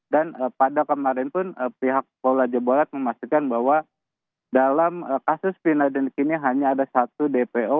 dan pada kemarin pun pihak polajabarat memastikan bahwa dalam kasus vina dan eki ini hanya ada satu dpo